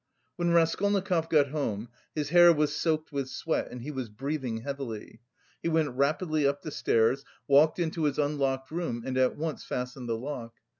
When Raskolnikov got home, his hair was soaked with sweat and he was breathing heavily. He went rapidly up the stairs, walked into his unlocked room and at once fastened the latch.